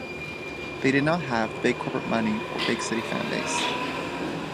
They did not have the big corporate money or big city fan base.